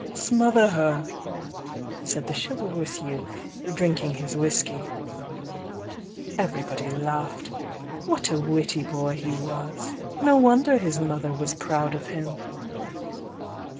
"Smother her!" said the Chivalrous Youth, drink ing his whisky. Everybody laughed. What a witty boy he was! — no wonder his mother was proud of him!